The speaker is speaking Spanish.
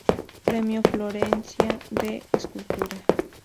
Premio Florencia de escultura.